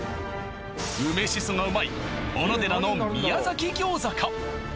梅しそがうまい小野寺の宮崎餃子か？